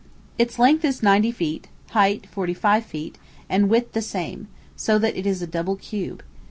"Its length is ninety feet; height, forty five feet, and width the same; so that it is a double cube.